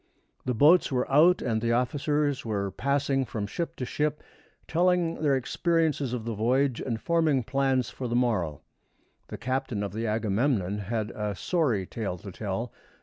The boats were out, and the officers were passing from ship to ship, telling their experiences of the voyage, and forming plans for the morrow. The captain of the Agamemnon had a sorry tale to tell.